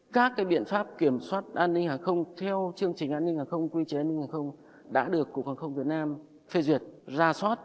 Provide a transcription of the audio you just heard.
các biện pháp kiểm soát an ninh hàng không theo chương trình an ninh hàng không quy chế an ninh hàng không đã được cục hàng không việt nam phê duyệt ra soát